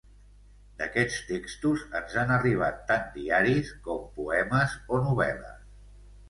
D’aquests textos ens han arribat tant diaris, com poemes o novel·les.